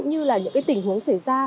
như là những cái tình huống xảy ra